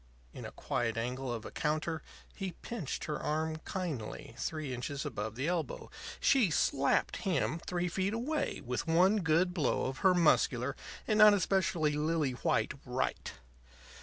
In a quiet angle of a counter he pinched her arm kindly, three inches above the elbow. She slapped him three feet away with one good blow of her muscular and not especially lily white right.